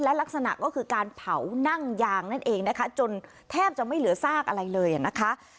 และลักษณะก็คือการเผานั่งยางนั่นเองนะคะจนแทบจะไม่เหลือซากอะไรเลยนะคะ